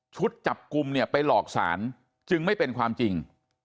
จับกลุ่มเนี่ยไปหลอกสารจึงไม่เป็นความจริง